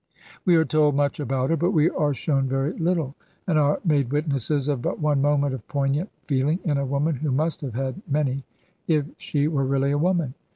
We are told much about her, but we are shown very lit tle; and are made witnesses of but one moment of poig nant feeling in a woman who must have had many, if she were really a woman.